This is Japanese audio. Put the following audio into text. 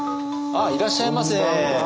いらっしゃいませ。